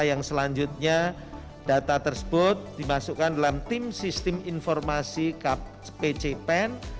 yang selanjutnya data tersebut dimasukkan dalam tim sistem informasi pcpen